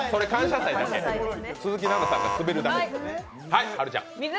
鈴木奈々さんが滑るだけ。